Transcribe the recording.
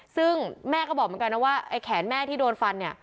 ซึ่งแม่ก็บอกเหมือนกันนะว่าไอ้แขนแม่ที่โดนฟันเนี่ย